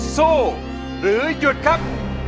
สู้หรือหยุดครับ